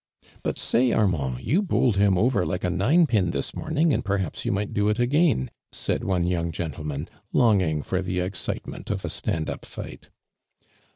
'• But, say, Armand, you bowled him over like a nine pin this morning, and per haps you might do it again,'' said ono young gentleman, longing for tho excite ment of a stand up fight.